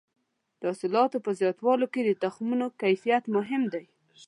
د حاصلاتو په زیاتولو کې د تخمونو کیفیت مهم دی.